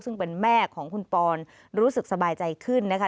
ซึ่งเป็นแม่ของคุณปอนรู้สึกสบายใจขึ้นนะคะ